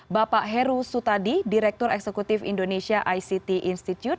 bapak heru sutadi direktur eksekutif indonesia ict institute